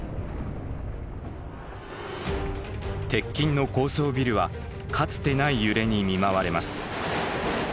鉄筋の高層ビルはかつてない揺れに見舞われます。